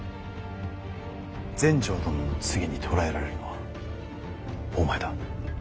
全成殿の次に捕らえられるのはお前だ。